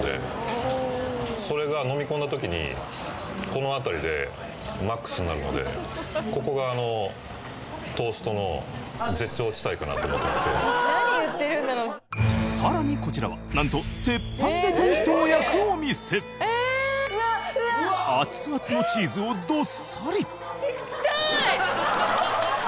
はいそれが飲み込んだときにこの辺りでＭＡＸになるのでここがかなと思ってましてさらにこちらはなんと鉄板でトーストを焼くお店熱々のチーズをどっさり！